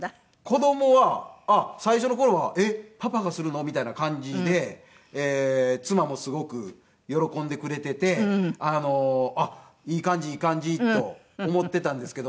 子供は最初の頃はえっパパがするの？みたいな感じで妻もすごく喜んでくれていてあっいい感じいい感じと思っていたんですけど。